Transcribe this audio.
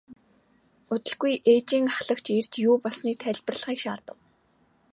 Удалгүй ээлжийн ахлагч ирж юу болсныг тайлбарлахыг шаардав.